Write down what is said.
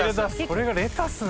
これがレタス。